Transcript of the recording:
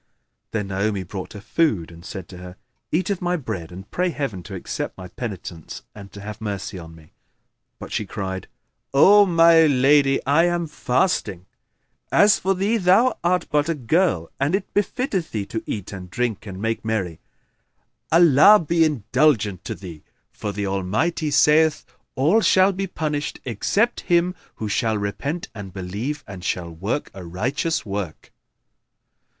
Then Naomi brought her food and said to her, "Eat of my bread and pray Heaven to accept my penitence and to have mercy on me." But she cried, "O my lady, I am fasting. As for thee, thou art but a girl and it befitteth thee to eat and drink and make merry; Allah be indulgent to thee!; for the Almighty saith: All shall be punished except him who shall repent and believe and shall work a righteous work."